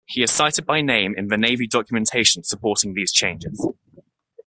He is cited by name in the Navy documentation supporting these changes.